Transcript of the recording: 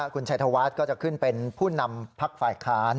คุณชัยธวัฒน์ก็จะขึ้นเป็นผู้นำพักฝ่ายค้าน